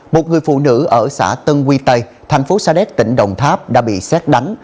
một người phụ nữ ở xã tân quy tây thành phố sa đéc tỉnh đồng tháp đã bị xét đánh